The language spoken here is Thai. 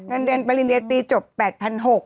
เงินเดือนปริญญาตีจบ๘๖๐๐บาท